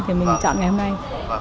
thì mình chọn ngày hôm nay